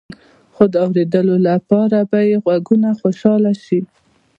خو د اوریدلو لپاره به يې غوږونه خوشحاله شي.